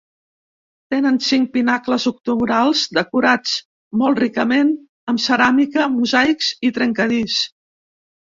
Tenen cinc pinacles octogonals decorats molt ricament amb ceràmica, mosaics i trencadís.